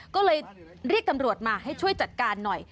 ก็เลยเรียกตำรวจมาให้ช่วยจัดการหน่อย